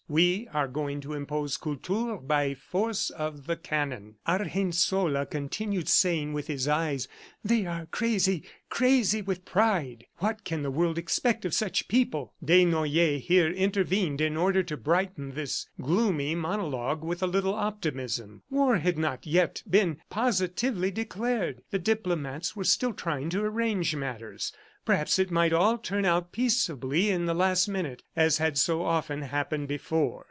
We are going to impose Kultur by force of the cannon." Argensola continued, saying with his eyes, "They are crazy, crazy with pride! ... What can the world expect of such people!" Desnoyers here intervened in order to brighten this gloomy monologue with a little optimism. War had not yet been positively declared. The diplomats were still trying to arrange matters. Perhaps it might all turn out peaceably at the last minute, as had so often happened before.